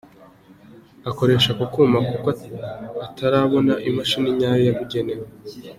Akoresha ako kuma kuko ngo atarabona imashini nyayo yabugenewe.